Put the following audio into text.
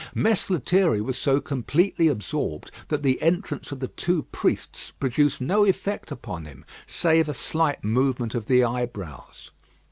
Mess Lethierry was so completely absorbed that the entrance of the two priests produced no effect upon him, save a slight movement of the eyebrows.